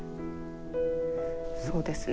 そうですね。